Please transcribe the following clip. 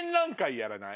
やらない？